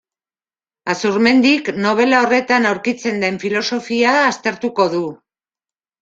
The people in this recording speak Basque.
Azurmendik nobela horretan aurkitzen den filosofia aztertuko du.